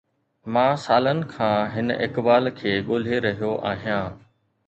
مان سالن کان هن اقبال کي ڳولي رهيو آهيان